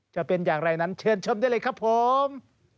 จะเป็นอย่างไรนั้นเชิญชมได้เลยครับผม